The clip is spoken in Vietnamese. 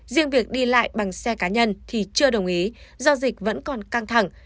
riêng việc đi lại bằng xe cá nhân thì chưa đồng ý do dịch vẫn còn căng thẳng